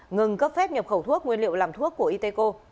ngừng cấp phép nhập khẩu thuốc nguyên liệu làm thuốc của itco